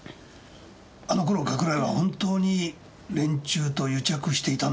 あの頃加倉井は本当に連中と癒着していたんだろうか？